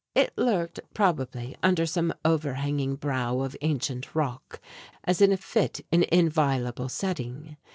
It lurked, probably, under some over hanging brow of ancient rock, as in a fit and inviolable setting.